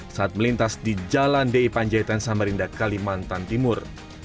saat melintas di jalan di panjaitan samarinda kalimantan timur